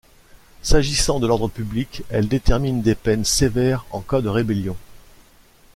S’agissant de l’ordre public, elle détermine des peines sévères en cas de rébellion.